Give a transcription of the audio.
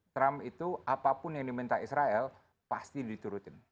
trump itu apapun yang diminta israel pasti diturutin